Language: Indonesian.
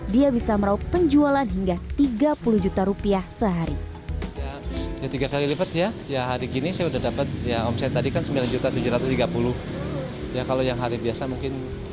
dia bisa meraup penjualan hingga tiga puluh juta rupiah sehari